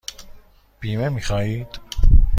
بیمه می خواهید؟